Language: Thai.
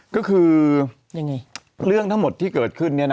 ก็คือเรื่องทั้งหมดที่เกิดขึ้น